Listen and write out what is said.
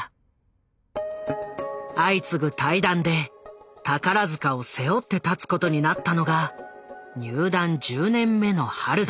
相次ぐ退団で宝塚を背負って立つことになったのが入団１０年目の榛名。